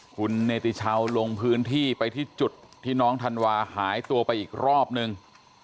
คุณเนติชาวลงพื้นที่ไปที่จุดที่น้องธันวาหายตัวไปอีกรอบนึง